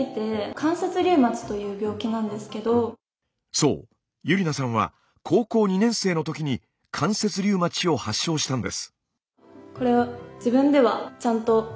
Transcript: そうＹｕｒｉｎａさんは高校２年生の時に関節リウマチを発症したんです。